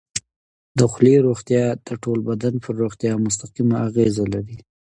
د خولې روغتیا د ټول بدن پر روغتیا مستقیمه اغېزه لري.